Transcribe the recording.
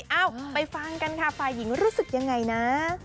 เอ้าไปฟังกันค่ะฝ่ายหญิงรู้สึกยังไงนะ